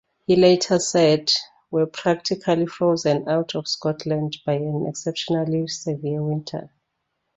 He later said 'were practically frozen out of Scotland' by 'an exceptionally severe winter'.